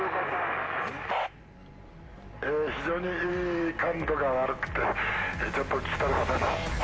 非常に感度が悪くて、ちょっと聞き取れません。